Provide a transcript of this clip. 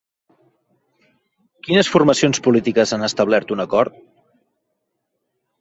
Quines formacions polítiques han establert un acord?